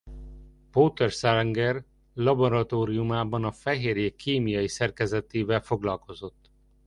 Porter Sanger laboratóriumában a fehérjék kémiai szerkezetével foglalkozott.